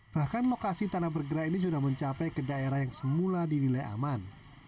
bahkan lokasi tanah bergerak ini sudah mencapai ke daerah yang semula dinilai aman